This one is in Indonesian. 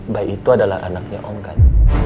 baik itu adalah anaknya om kan